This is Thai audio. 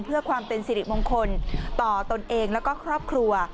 เพื่อความเป็นสิริมงคลต่อตนเองแล้วก็ครอบครัว